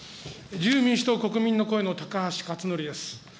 自由民主党・国民の声の高橋克法です。